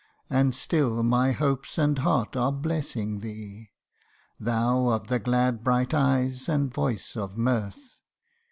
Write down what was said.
147 And still my hopes and heart are blessing thee, Thou of the glad bright eyes and voice of mirth.